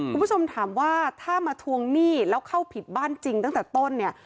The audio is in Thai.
คุณผู้ชมถามว่าถ้ามาทวงหนี้แล้วเข้าผิดบ้านจริงตั้งแต่ต้นเนี่ย